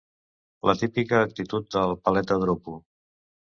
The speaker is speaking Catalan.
La típica actitud del paleta dropo.